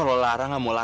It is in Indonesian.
lara baunya sama ibu